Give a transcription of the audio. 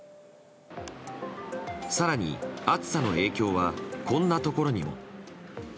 更に、暑さの影響はこんなところにも。